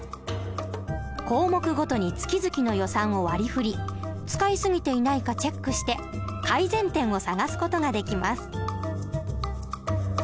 項目ごとに月々の予算を割りふり使い過ぎていないかチェックして改善点を探す事ができます。